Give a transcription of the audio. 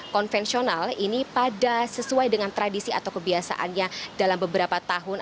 konvensional ini pada sesuai dengan tradisi atau kebiasaannya dalam beberapa tahun